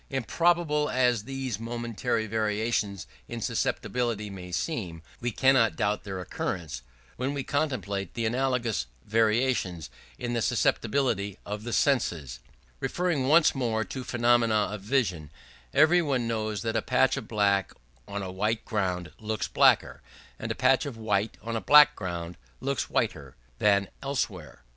Improbable as these momentary variations in susceptibility may seem, we cannot doubt their occurrence when we contemplate the analogous variations in the susceptibility of the senses. Referring once more to phenomena of vision, every one knows that a patch of black on a white ground looks blacker, and a patch of white on a black ground looks whiter, than elsewhere.